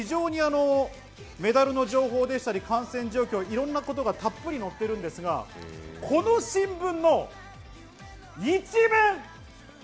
メダルの情報だったり、感染状況、いろんなことがたっぷり載ってるんですが、この新聞の１面。